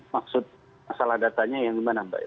maksud masalah datanya yang gimana pak